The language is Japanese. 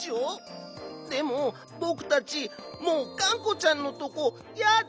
でもぼくたちもうがんこちゃんのとこやだ！